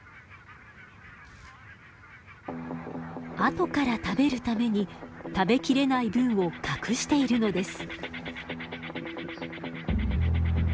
後から食べるために食べきれない分を隠しているのです。